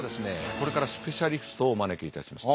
これからスペシャリストをお招きいたします。